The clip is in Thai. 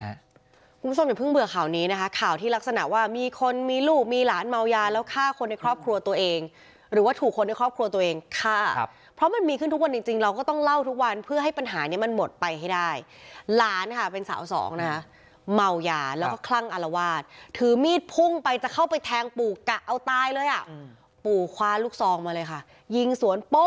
คุณผู้ชมอย่าเพิ่งเบื่อข่าวนี้นะคะข่าวที่ลักษณะว่ามีคนมีลูกมีหลานเมายาแล้วฆ่าคนในครอบครัวตัวเองหรือว่าถูกคนในครอบครัวตัวเองฆ่าครับเพราะมันมีขึ้นทุกวันจริงจริงเราก็ต้องเล่าทุกวันเพื่อให้ปัญหานี้มันหมดไปให้ได้หลานค่ะเป็นสาวสองนะคะเมายาแล้วก็คลั่งอารวาสถือมีดพุ่งไปจะเข้าไปแทงปู่กะเอาตายเลยอ่ะปู่คว้าลูกซองมาเลยค่ะยิงสวนโป้